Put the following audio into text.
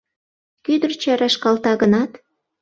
Кӱдырчӧ рашкалта гынат